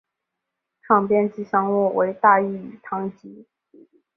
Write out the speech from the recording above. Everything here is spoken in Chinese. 场边吉祥物为大义与唐基。